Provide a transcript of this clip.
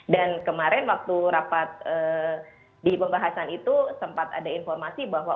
dan kemarin waktu rapat di pembahasan itu sempat ada informasi bahwa